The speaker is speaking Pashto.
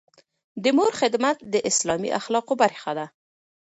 د مور خدمت د اسلامي اخلاقو برخه ده.